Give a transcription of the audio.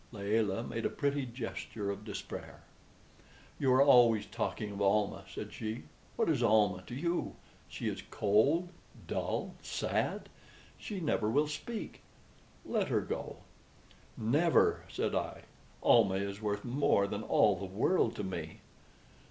Layelah made a pretty gesture of despair. "You are always talking of Almah," said she. "What is Almah to you? She is cold, dull, sad! She never will speak. Let her go." "Never!" said I. "Almah is worth more than all the world to me."